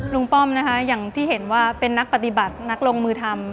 ป้อมนะคะอย่างที่เห็นว่าเป็นนักปฏิบัตินักลงมือทำ